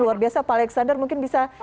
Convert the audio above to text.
luar biasa pak alexander mungkin bisa